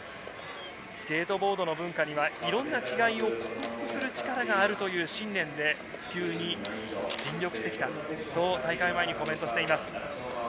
スケートボードの文化には、いろいろな違いを克服する力があるという信念で、普及に尽力してきたとそう大会前にコメントしています。